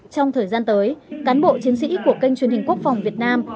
trong thời gian tới cán bộ chiến sĩ của kênh truyền hình quốc phòng việt nam